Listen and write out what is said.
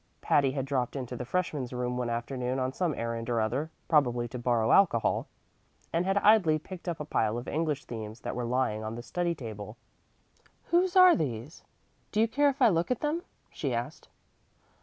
Patty had dropped into the freshmen's room one afternoon on some errand or other (probably to borrow alcohol), and had idly picked up a pile of English themes that were lying on the study table. "Whose are these? Do you care if I look at them?" she asked.